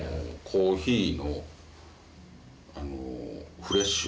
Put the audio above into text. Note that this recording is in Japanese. コーヒーのフレッシュ。